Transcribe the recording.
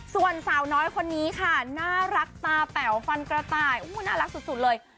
ส่วนสาวน้อยคนนี้ค่ะน่ารักตาแป๋วฟันกระต่ายน่ารักสุดเลย